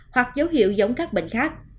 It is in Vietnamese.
hoặc dấu hiệu giống các bệnh khác